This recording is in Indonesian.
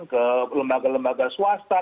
ke lembaga lembaga swasta